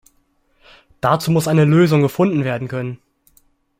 Dazu muss eine Lösung gefunden werden können.